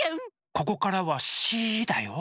ここからはシーだよ。